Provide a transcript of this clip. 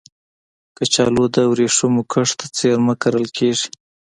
کچالو د ورېښمو کښت ته څېرمه کرل کېږي